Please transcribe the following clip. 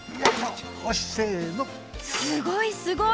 すごい！